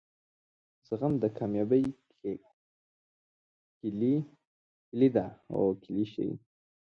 زغم دکامیابۍ کیلي ده